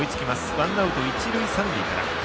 ワンアウト、一塁、三塁から。